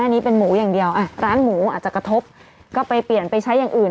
อันนี้เป็นหมูอย่างเดียวอ่ะร้านหมูอาจจะกระทบก็ไปเปลี่ยนไปใช้อย่างอื่น